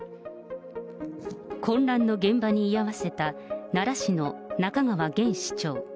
混乱の現場に居合わせた奈良市の仲川げん市長。